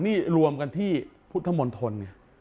นี่รวมกันที่พุทธมณฑล